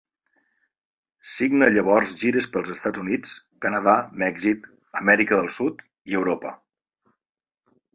Signa llavors gires pels Estats Units, Canadà, Mèxic, Amèrica del Sud i Europa.